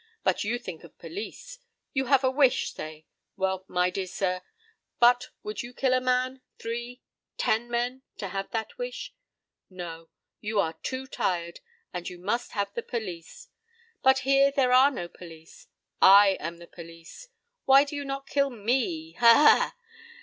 But you think of police. You have a wish, say. Well my dear sir, but would you kill a man—three—ten men—to have that wish? No, you are too tired, and you must have the police. But here there are no police. I am the police. Why do you not kill me? Ha ha ha!